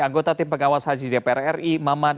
anggota tim pengawas hgdpr ri maman